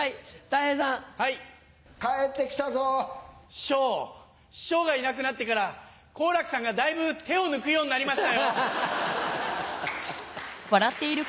師匠師匠がいなくなってから好楽さんがだいぶ手を抜くようになりましたよ。